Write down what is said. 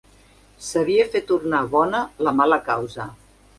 Sabia fer tornar bona la mala causa.